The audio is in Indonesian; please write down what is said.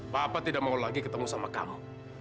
papa tidak mau lagi ketemu sama kamu